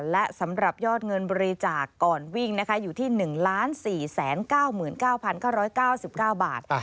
และสำหรับยอดเงินบริจาคก่อนวิ่งนะคะอยู่ที่๑๔๙๙๙๙๙บาท